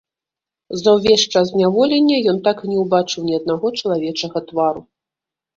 За ўвесь час зняволення ён так і не ўбачыў ні аднаго чалавечага твару.